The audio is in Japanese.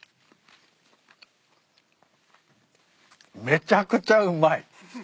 めちゃくちゃうまい。